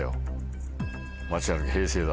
間違いなく平成だ。